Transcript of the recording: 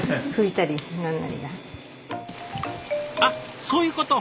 あそういうこと。